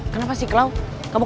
jangan pada lari lari nanti jatuh